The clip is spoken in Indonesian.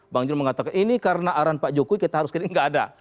bang jo mengatakan ini karena aron pak jokowi kita harus kira ini tidak ada